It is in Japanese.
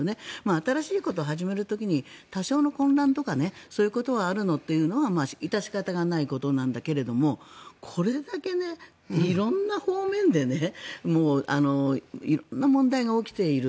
新しいことを始める時に多少の混乱とかそういうことがあるのは致し方ないことなんだけどもこれだけ色んな方面で色んな問題が起きている。